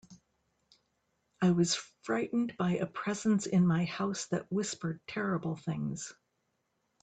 I was frightened by a presence in my house that whispered terrible things.